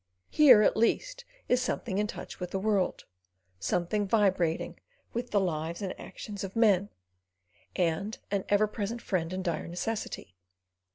Here at least is something in touch with the world something vibrating with the lives and actions of men, and an ever present friend in dire necessity.